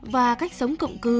và cách sống cộng cư